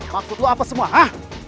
maksud lo apa semua hah